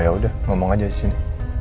ya udah ngomong aja disini